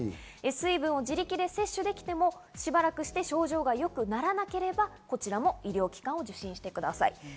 水分を自力で摂取できても、しばらくして症状がよくならなければ、こちらも医療機関を受診してください。